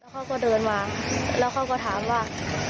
เขาก็เดินมาแล้วเขาก็ถามว่า